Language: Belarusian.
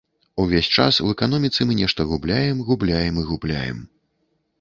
Увесь час у эканоміцы мы нешта губляем, губляем і губляем.